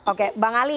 oke bang ali